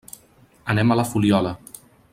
Anem a la Fuliola.